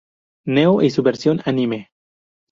Neo y su versión anime.